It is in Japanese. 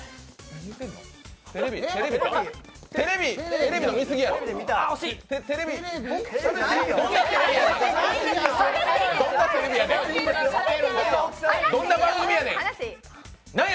テレビの見過ぎや。